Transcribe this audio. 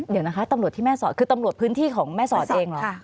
เดี๋ยวนะคะตำรวจที่แม่สอดคือตำรวจพื้นที่ของแม่สอดเองเหรอ